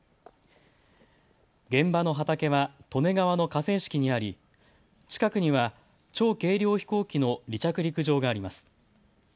現場の畑は利根川の河川敷にあり近くには超軽量飛行機の離着陸場があります。